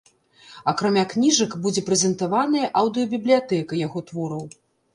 Акрамя кніжак, будзе прэзентаваная аўдыёбібліятэка яго твораў.